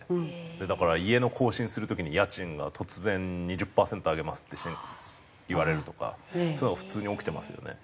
だから家の更新する時に家賃が突然「２０パーセント上げます」って言われるとかそういうのが普通に起きてますよね。